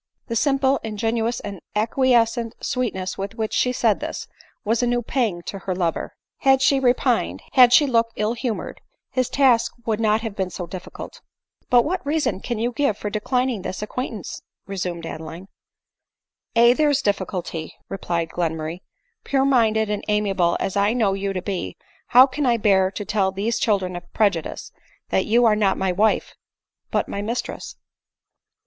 The simple, ingenuous and acquiescent sweetness with which she said this, was a new pang to her lover ; had she repined, had she look ill humored, his task would not have heeh so difficult. " But what reason can you give for declining this ac quaintance ?" resumed Adeline. " Aye \ there 's the difficulty," replied Glenmurray ;" pure minded and amiable as I know you to be, how can I bear to tell these children of prejudice that you are not my wife, but my mistress